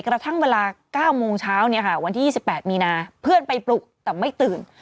กระทั่งเวลา๙โมงเช้าวันที่๒๘มีนาเพื่อนไปปลุกแต่ไม่ตื่น